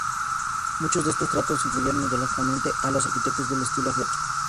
Muchos de estos tratados influyeron ideológicamente a los arquitectos del estilo gótico.